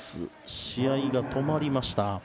試合が止まりました。